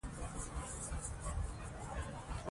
ماري کوري د راډیواکټیف وړانګو شدت د یورانیم سره پرتله کړ.